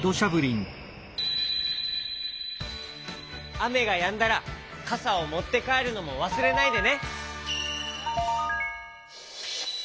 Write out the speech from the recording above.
あめがやんだらかさをもってかえるのもわすれないでね。